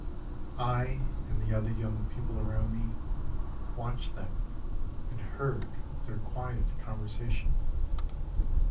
I, and the other young people around me, Watched them, and heard their quiet conversation.